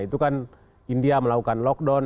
itu kan india melakukan lockdown